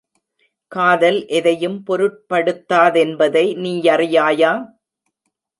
காதல் எதையும் பொருட்படுத்தா தென்பதை நீ யறியாயா?